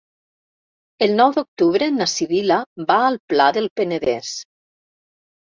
El nou d'octubre na Sibil·la va al Pla del Penedès.